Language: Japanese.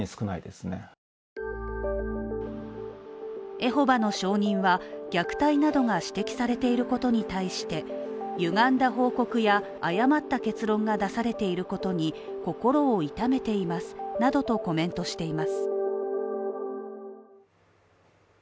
エホバの証人は虐待などが指摘されていることに対してゆがんだ報告や、誤った結論が出されていることに、心を痛めていますなどとコメントしています。